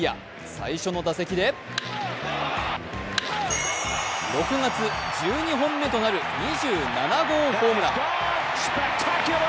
最初の打席で６月１２本目となる２７号ホームラン。